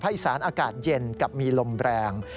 อีสานอากาศเย็นกับมีลมแรง